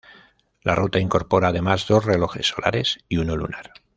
La ruta incorpora además dos relojes solares y uno lunar.